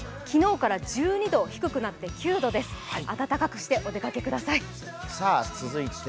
昨日から１２度低くなって９度あたたかくしてお出かけください。